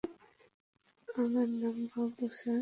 আমার নাম বাবু, স্যার।